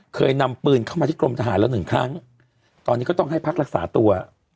เคยนำปืนเข้ามาที่กรมทหารแล้วหนึ่งครั้งตอนนี้ก็ต้องให้พักรักษาตัว